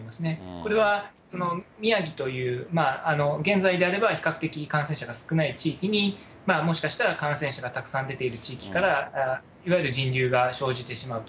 これは宮城という、現在であれば比較的感染者が少ない地域に、もしかしたら感染者がたくさん出ている地域から、いわゆる人流が生じてしまうと。